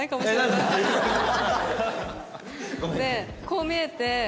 こう見えて